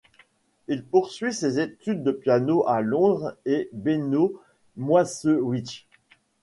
Il a poursuivi ses études de piano à Londres avec Benno Moiseiwitsch.